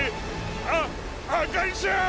あっ赤井しゃん。